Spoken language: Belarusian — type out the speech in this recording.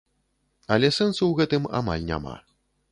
Але сэнсу ў гэтым амаль няма.